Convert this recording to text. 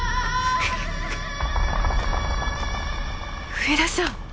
上田さん！